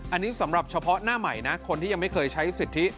อันนี้สำหรับเฉพาะหน้าใหม่นะคนที่ยังไม่เคยใช้สิทธิ